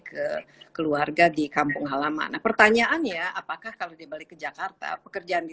ke keluarga di kampung halaman nah pertanyaannya apakah kalau dibalik ke jakarta pekerjaan di